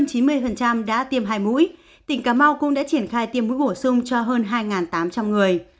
hơn chín mươi đã tiêm hai mũi tỉnh cà mau cũng đã triển khai tiêm mũi bổ sung cho hơn hai tám trăm linh người